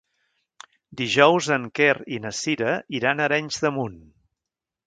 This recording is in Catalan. Dijous en Quer i na Sira iran a Arenys de Munt.